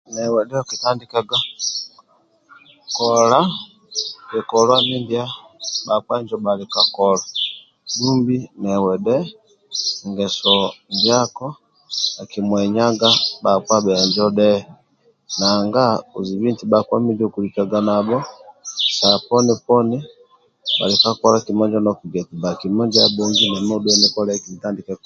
Nawe dhe okutandikaga kola bhikoluwa ndya bhakpa injo ndyabhali kakola dumbi nawe dhe ngeso ndyako akimwenyaga bakpa bhenjo dhe nanga ozibhiti bakpa midyokulikaga nabho saha poni poni balikakola kima injo ndyokugiya onti ba kima injo abhongiya nemi oshuwe nitandike